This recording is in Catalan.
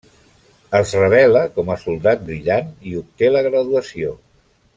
Es revela com a soldat brillant i obté la graduació.